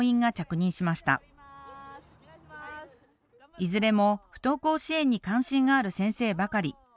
いずれも不登校支援に関心がある先生ばかり。